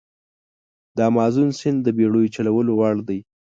د امازون سیند د بېړیو چلولو وړ دی.